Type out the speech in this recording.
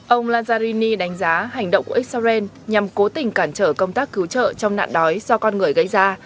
ông lanzarini đánh giá hành động của israel nhằm cố tình cản trở công tác cứu trợ trong nạn đói do con người gây ra